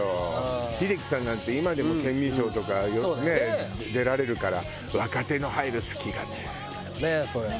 英樹さんなんて今でも『ケンミンＳＨＯＷ』とかよくね出られるから若手の入る隙がね。